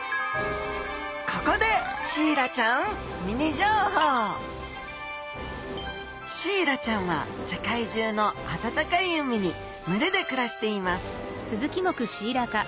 ここでシイラちゃんは世界中の温かい海に群れで暮らしています